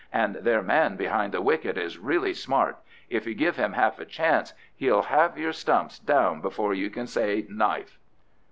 And their man behind the wicket is really smart; if you give him half a chance he'll have your stumps down before you can say 'knife.